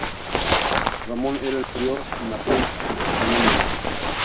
Ramón era el prior y Mateu canónigo.